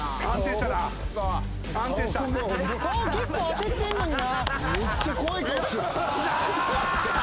顔結構焦ってんのにな。